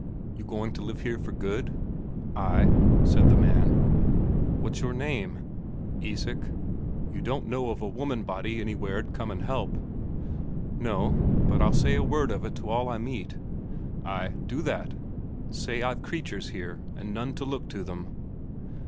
"You going to live here for good?" "Ay," said the man. "What's your name?" "Isak. You don't know of a woman body anywhere'd come and help?" "No. But I'll say a word of it to all I meet." "Ay, do that. Say I've creatures here, and none to look to them."